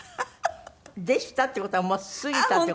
「でした」って事はもう過ぎたって事？